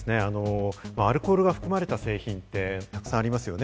アルコールが含まれた製品ってたくさんありますよね。